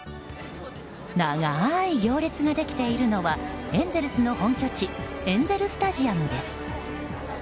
長い行列ができているのはエンゼルスの本拠地エンゼル・スタジアムです。